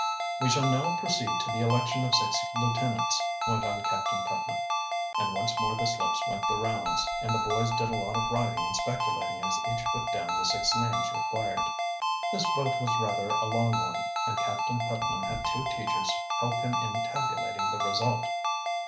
"We shall now proceed to the election of six lieutenants," went on Captain Putnam, and once more the slips went the rounds, and the boys did a lot of writing and speculating as each put down the six names required. This vote was rather a long one, and Captain Putnam had two teachers help him in tabulating the result.